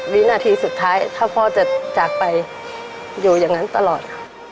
วินาทีสุดท้ายถ้าพ่อจะจากไปอยู่ตลอด